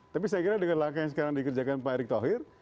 tapi saya kira dengan langkah yang sekarang dikerjakan pak erick thohir